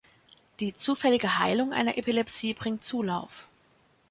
Die zufällige Heilung einer Epilepsie bringt Zulauf.